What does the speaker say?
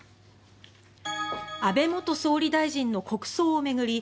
安倍元総理大臣の国葬を巡り